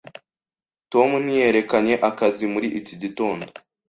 Tom ntiyerekanye akazi muri iki gitondo.